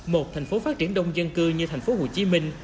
một thành phố phát triển đông dân cư như thành phố hồ chí minh